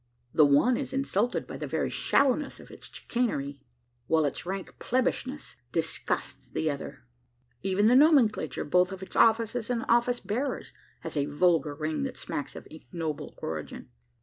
The one is insulted by the very shallowness of its chicanery, while its rank plebbishness disgusts the other. Even the nomenclature, both of its offices and office bearers, has a vulgar ring that smacks of ignoble origin.